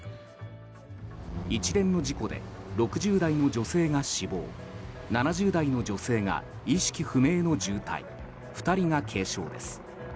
一連の事故で６０代の女性が死亡７０代の女性が意識不明の重体２人が軽傷です。